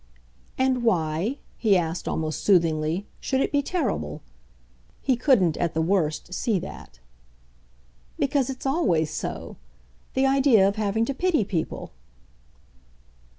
"And why," he asked, almost soothingly, "should it be terrible?" He couldn't, at the worst, see that. "Because it's always so the idea of having to pity people."